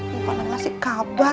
mereka nangasin kabar